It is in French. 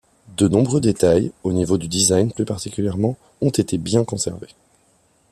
De nombreux détails, au niveau du design plus particulièrement, ont été bien conservés.